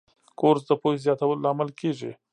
کورس د پوهې زیاتولو لامل کېږي.